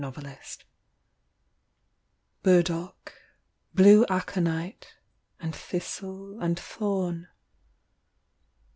47 MADNESS Burdock, Blue aconite, And thistle and thorn